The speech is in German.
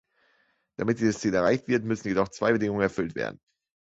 Damit dieses Ziel erreicht wird, müssen jedoch zwei Bedingungen erfüllt werden.